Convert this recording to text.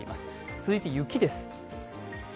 続いて雪です。